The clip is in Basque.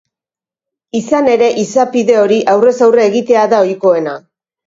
Izan ere, izapide hori aurrez aurre egitea da ohikoena.